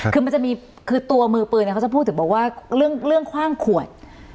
คือมันจะมีคือตัวมือปืนเขาจะพูดถึงบอกว่าเรื่องคว่างขวด